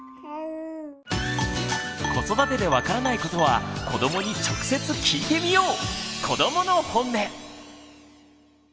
子育てで分からないことは子どもに直接聞いてみよう！